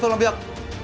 tiếp tục làm việc